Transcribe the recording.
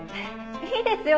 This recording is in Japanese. いいですよ